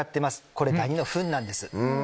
これダニのフンなんです。